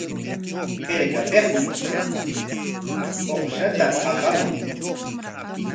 Hirkapikmi uqshta apamun.